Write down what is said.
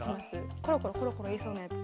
コロコロコロコロいいそうなやつ。